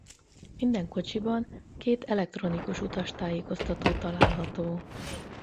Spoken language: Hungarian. Minden kocsiban két elektronikus utastájékoztató található.